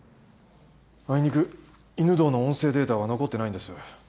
あいにく犬堂の音声データは残ってないんです。